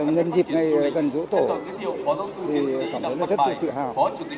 ngân dịp ngày gần rũ tổ thì cảm thấy là rất tự hào